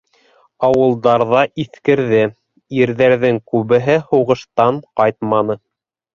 Ауылдар ҙа иҫкерҙе, ирҙәрҙең күбеһе һуғыштан ҡайтманы.